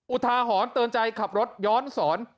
อุทาหรณ์เตือนใจขับรถย้อนสอน